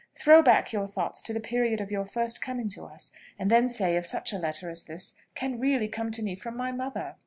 Throw back your thoughts to the period of your first coming to us, and then say if such a letter as this can really come to me from my mother."